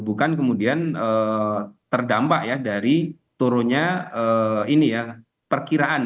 bukan kemudian terdampak ya dari turunnya ini ya perkiraan